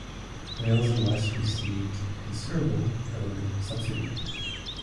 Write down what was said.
Wales and West received considerable government subsidy.